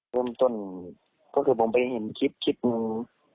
เริ่มต้นก็คือผมไปเห็นคลิปคลิปหนึ่ง